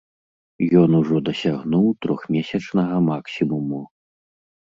Ён ужо дасягнуў трохмесячнага максімуму.